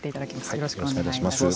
よろしくお願いします。